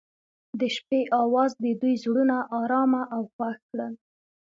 د شپه اواز د دوی زړونه ارامه او خوښ کړل.